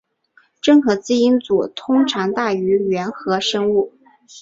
真核基因组通常大于原核生物。